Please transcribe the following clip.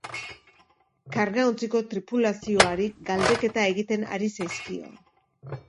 Kargaontziko tripulazioari galdeketa egiten ari zaizkio.